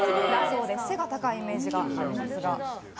背が高いイメージがありますが。